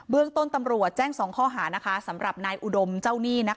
เบื้องต้นตำรวจแจ้งสองข้อหานะคะสำหรับนายอุดมเจ้าหนี้นะคะ